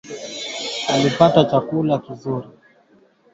Uganda inabuni kifaa cha kudhibiti uchafuzi wa hewa